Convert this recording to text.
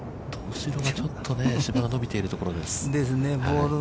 後ろが、ちょっと芝が伸びているところです。ですね。